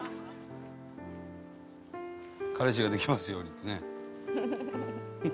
「彼氏ができますようにってね」